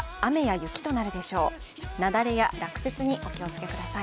雪崩や落雪にお気を付けください。